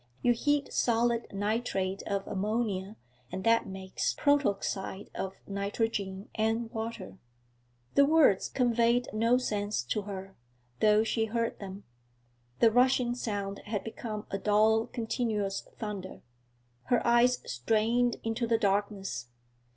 You heat solid nitrate of ammonia, and that makes protoxide of nitrogen and water.' The words conveyed no sense to her, though she heard them. The rushing sound had become a dull continuous thunder. Her eyes strained into the darkness.